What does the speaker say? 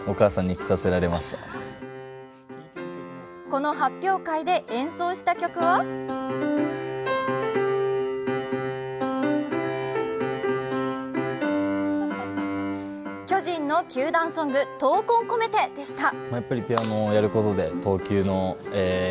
この発表会で演奏した曲は巨人軍の球団ソング「闘魂こめて」でした。